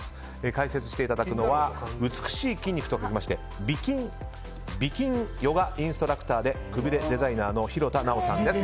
解説していただくのは「美しい筋肉」と書きまして美筋ヨガインストラクターでくびれデザイナーの廣田なおさんです。